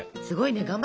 すごいね。